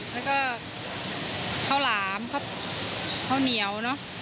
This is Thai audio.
แล้วก็ข้าวหลามข้าวเหนียวเนอะ